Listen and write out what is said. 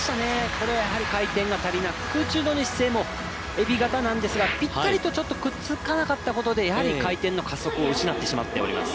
これはやはり回転が足りなく空中での姿勢もえび型なんですが、ぴったりとくっつかなかったことでやはり回転の加速を失ってしまっております。